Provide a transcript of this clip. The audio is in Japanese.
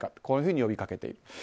こういうふうに呼びかけている。